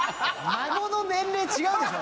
孫の年齢違うでしょ。